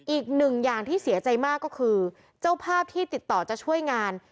อีกหนึ่งอย่างที่เสียใจมากก็คือเจ้าภาพที่ติดต่อจะช่วยงาน